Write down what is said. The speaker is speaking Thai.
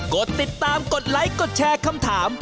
กดติดตามกดไลค์กดแชร์คำถาม